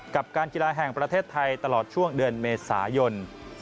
กับการกีฬาแห่งประเทศไทยตลอดช่วงเดือนเมษายน